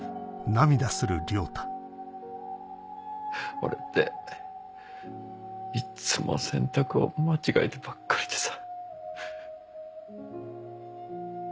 俺っていっつも選択を間違えてばっかりでさ。